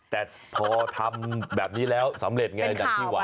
แต่พอทำแบบนี้แล้วสำเร็จไงอย่างที่หวัง